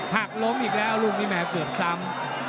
หักล้มอีกแล้วลูกนี้แม่เกือบซ้ำ